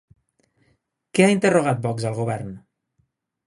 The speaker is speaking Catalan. Què ha interrogat Vox al govern?